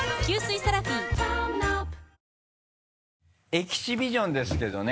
エキシビションですけどね。